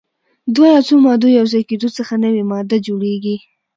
د دوه یا څو مادو یو ځای کیدو څخه نوې ماده جوړیږي.